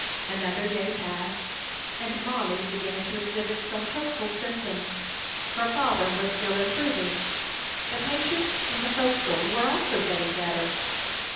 Another day passed, and Mollie began to exhibit some hopeful symptoms. Her father was still improving. The patients in the forecastle were also getting better.